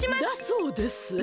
だそうです。